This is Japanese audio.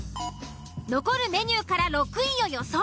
残るメニューから６位を予想。